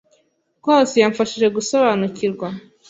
rwose yamfashije gusobanukirwa